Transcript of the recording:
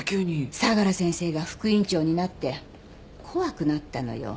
相良先生が副院長になって怖くなったのよ。